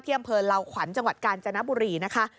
อำเภอเหล่าขวัญจังหวัดกาญจนบุรีนะคะ